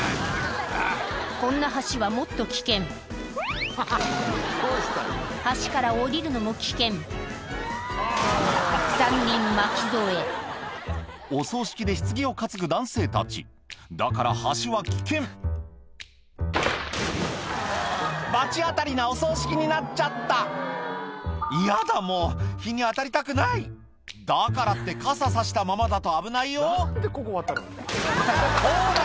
こんな橋はもっと危険橋から下りるのも危険３人巻き添えお葬式でひつぎを担ぐ男性たちだから橋は危険罰当たりなお葬式になっちゃった「ヤダもう日に当たりたくない」だからって傘差したままだと危ないよほら